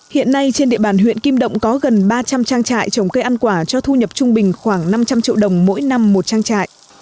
hiện nay trên địa bàn huyện kim động có gần ba trăm linh trang trại trồng cây ăn quả cho thu nhập trung bình khoảng năm trăm linh triệu đồng mỗi năm một trang trại